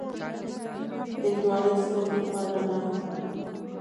هندوانه د سترګو لپاره رڼا ده.